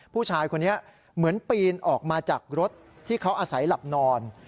ผู้ชายคนนี้เหมือนปีนออกมาจากรถที่เขาอาศัยหลับนอน